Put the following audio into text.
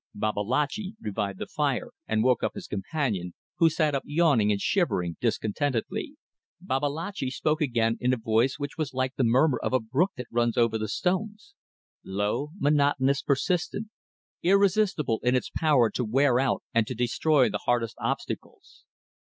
Babalatchi revived the fire and woke up his companion, who sat up yawning and shivering discontentedly. Babalatchi spoke again in a voice which was like the murmur of a brook that runs over the stones: low, monotonous, persistent; irresistible in its power to wear out and to destroy the hardest obstacles.